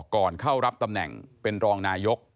ก่อนเข้ารับตำแหน่งเป็นรองนายก